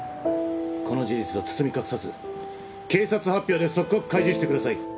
この事実は包み隠さず警察発表で即刻開示してください